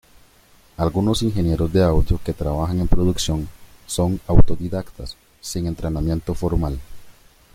Algunos ingenieros de audio que trabajan en producción son autodidactas sin entrenamiento formal.